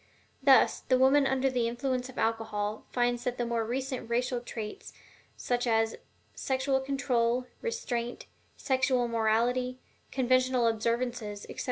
Thus, the woman under the influence of alcohol finds that the more recent racial traits, such as sexual control, restraint, sexual morality, conventional observations, etc.